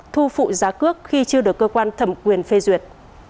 thu phụ giá cước khi chưa được cơ quan thẩm quyền phê duyệt